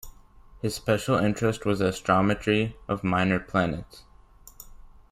His special interest was the astrometry of minor planets.